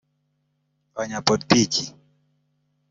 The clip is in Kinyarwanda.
abanyapolitiki